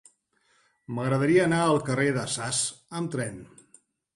M'agradaria anar al carrer de Sas amb tren.